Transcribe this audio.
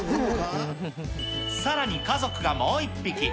さらに家族がもう１匹。